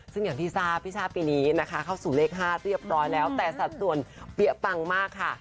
ซึ่งอย่างที่ทราบพี่ชาติปีนี้นะคะเข้าสู่เลข๕เรียบร้อยแล้วแต่สัดส่วนเปี้ยปังมากค่ะ